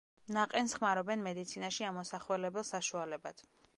ნაყენს ხმარობენ მედიცინაში ამოსახველებელ საშუალებად.